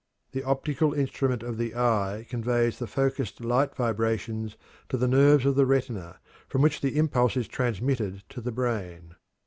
The optical instrument of the eye conveys the focused light vibrations to the nerves of the retina, from which the impulse is transmitted to the brain.